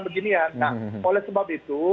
beginian nah oleh sebab itu